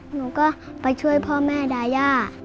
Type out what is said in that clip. หนูก็ไปช่วยพ่อแม่ดาย่า